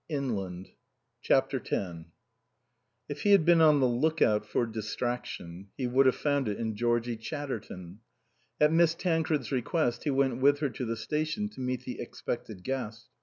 T.S.Q. 97 CHAPTER X IF he had been on the look out for distraction, he would have found it in Georgie Chatter ton. At Miss Tancred's request he went with her to the station to meet the expected guest.